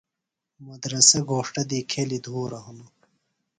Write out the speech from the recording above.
مدرسہ گھوݜٹہ دی کھیلیۡ دُھورہ ہِنوُ۔